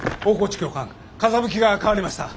教官風向きが変わりました！